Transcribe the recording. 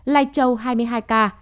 lai châu hai mươi hai ca